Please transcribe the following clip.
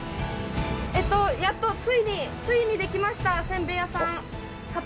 えっとやっとついについにできましたおせんべい屋さん旗。